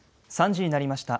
３時になりました。